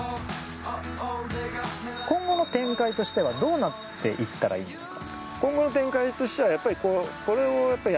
今後の展開としてはどうなっていったらいいですか。